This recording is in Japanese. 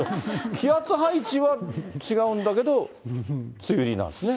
気圧配置は違うんだけど、梅雨入りなんですね。